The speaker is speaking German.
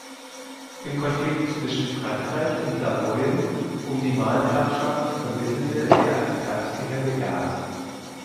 Im Konflikt zwischen Frankreich und Savoyen um die Markgrafschaft vermittelte er als päpstlicher Legat.